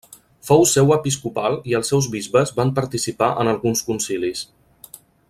Fou seu episcopal i els seus bisbes van participar en alguns concilis.